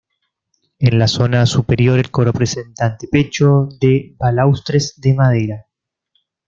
En la zona superior el coro presenta antepecho de balaustres de madera.